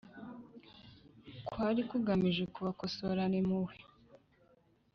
kwari kugamije kubakosorana impuhwe,